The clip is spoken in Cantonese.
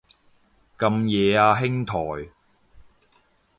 咁夜啊兄台